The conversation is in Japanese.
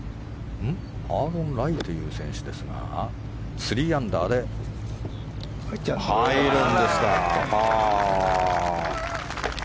アーロン・ライという選手ですが３アンダーで入るんですか！